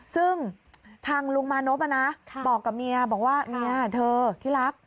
ซึ่งทางลุงมานพนะบอกกับเมียบอกว่าเมียเธอที่รัก